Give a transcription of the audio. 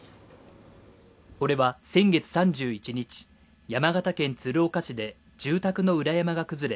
これは先月３１日、山形県鶴岡市で住宅の裏山が崩れ